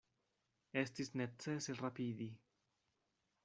Estis necese rapidi.